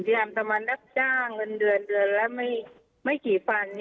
ที่ทำทำงานดับจ้างเงินเดือนแล้วไม่กี่ฟัน